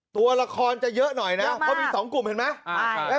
ตัวละครจะเยอะหน่อยนะเพราะมี๒กลุ่มเห็นไหม